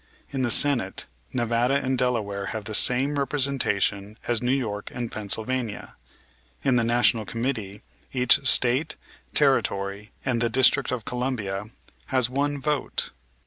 In the Senate Nevada and Delaware have the same representation as New York and Pennsylvania. In the National Committee each State, territory, and the District of Columbia has one vote.